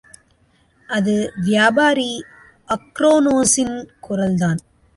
அது வியாபாரி அக்ரோனோஸின் குரல்தான்.